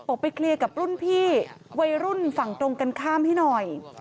ออกไปเคลียร์กับรุ่นพี่วัยรุ่นฝั่งตรงกันข้ามให้หน่อย